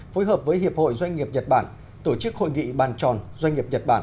phối hợp với hiệp hội doanh nghiệp nhật bản tổ chức hội nghị bàn tròn doanh nghiệp nhật bản hai nghìn một mươi chín